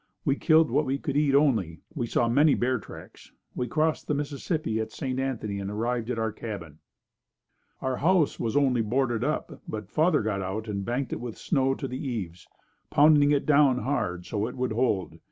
We killed what we could eat only. We saw many bear tracks. We crossed the Mississippi at St. Anthony and arrived at our cabin. Our house was only boarded up but father got out and banked it with snow to the eaves, pounding it down hard so it would hold.